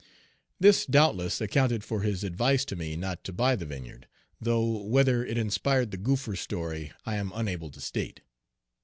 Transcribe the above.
This, doubtless, accounted for his advice to me not to buy the vineyard, though whether it inspired the goopher story I am unable to state.